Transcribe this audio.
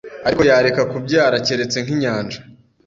Ariko yareka kubyara keretse nkinyanja